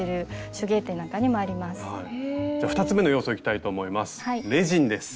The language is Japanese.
じゃあ２つ目の要素いきたいと思います。